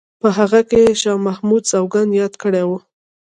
په هغه کې شاه محمد سوګند یاد کړی وو.